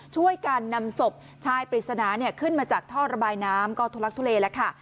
ช่วยกันนำศพชายปริศนาขึ้นมาจากท่อระบายน้ำก็ทุลักทุเลแล้วค่ะ